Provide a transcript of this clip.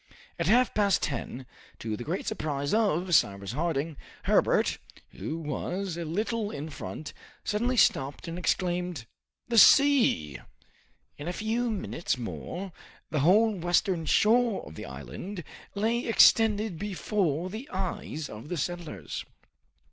At half past ten, to the great surprise of Cyrus Harding, Herbert, who was a little in front, suddenly stopped and exclaimed, "The sea!" In a few minutes more, the whole western shore of the island lay extended before the eyes of the settlers.